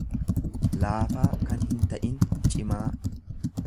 laafaa kan hinta'in, cimaa.